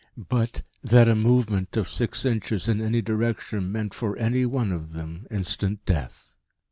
But that a movement of six inches in any direction meant for any one of them instant death.